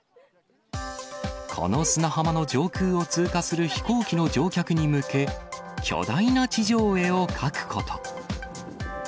この砂浜の上空を通過する飛行機の乗客に向け、巨大な地上絵を描くこと。